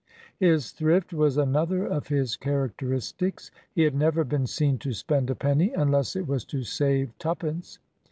His thrift was another of his characteristics. He had never been seen to spend a penny, unless it was to save twopence.